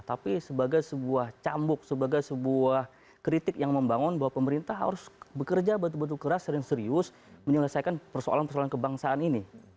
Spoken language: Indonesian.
tapi sebagai sebuah cambuk sebagai sebuah kritik yang membangun bahwa pemerintah harus bekerja betul betul keras dan serius menyelesaikan persoalan persoalan kebangsaan ini